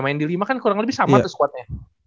main di lima kan kurang lebih sama tuh squadnya